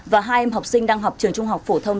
và hai em học sinh đang học trường trung học phổ thông